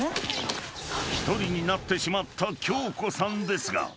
［一人になってしまった恭子さんですが］